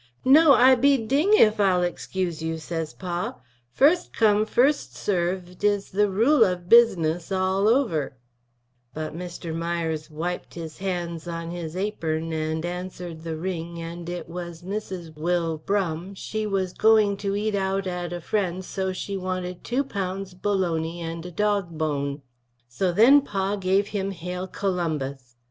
No I be ding if Ile igscuse you says Pa, 1st come 1st served is the rool of bizness all over. But Mr. mires wyped his hands on his apern & ansered the wring & it was mrs. Will Brum, she was going to eat out at a frends so she wanted 2 lbs, bolony & a dog bone. So then Pa give him hale columbus.